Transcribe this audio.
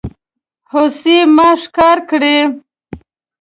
هوسۍ ما ښکار کړي